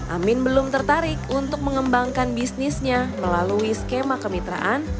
amin belum tertarik untuk mengembangkan bisnisnya melalui skema kemitraan